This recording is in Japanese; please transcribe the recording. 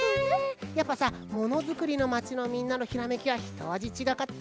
やっぱさものづくりのまちのみんなのひらめきはひとあじちがかったよ。